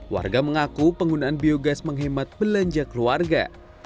warga mengaku penggunaan biogas menghemat belanja keluarga